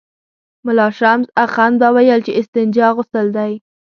ملا شمس اخند به ویل چې استنجا غسل دی.